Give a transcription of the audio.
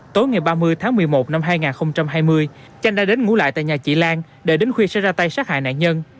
tối ngày ba mươi tháng một mươi một năm hai nghìn hai mươi chanh đã đến ngủ lại tại nhà chị lan để đến khuya sẽ ra tay sát hại nạn nhân